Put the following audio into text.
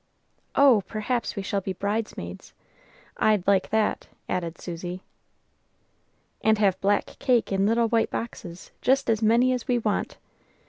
"Oh, perhaps we shall be bridesmaids! I'd like that," added Susy. "And have black cake in little white boxes, just as many as we want.